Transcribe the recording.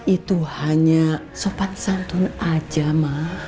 itu hanya sopan santun aja ma